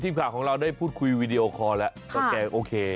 ทีมข่าวของเราได้พูดคุยวีดีโอคอร์แล้วก็แกโอเค